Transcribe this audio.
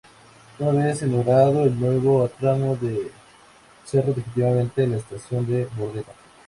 Una vez inaugurado el nuevo tramo se cerró definitivamente la estación de Bordeta.